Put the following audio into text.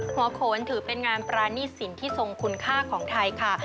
หัวโขนถือเป็นงานปรานีสินที่ทรงคุณค่าของไทยค่ะ